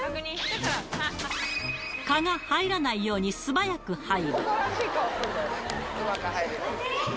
蚊が入らないように、素早く入る。